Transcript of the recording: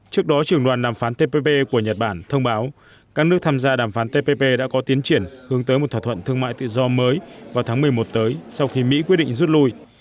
trước đó trưởng đoàn đàm phán tpp của nhật bản thông báo các nước tham gia đàm phán tpp đã có tiến triển hướng tới một thỏa thuận thương mại tự do mới vào tháng một mươi một tới sau khi mỹ quyết định rút lui